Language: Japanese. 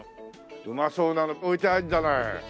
うまそうなの置いてあるじゃない。